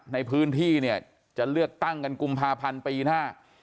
ในพื้นที่เนี่ยจะเลือกตั้งกันกุมภาพันธ์ปีหน้า